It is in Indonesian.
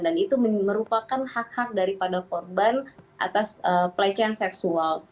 dan itu merupakan hak hak daripada korban atas pelecehan seksual